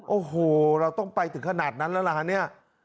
โอ้โหเราต้องไปถึงขนาดนั้นแล้วล่ะฮะเนี่ย